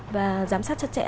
và giám sát chặt chẽ